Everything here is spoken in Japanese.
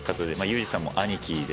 Ｕ．Ｇさんも兄貴で。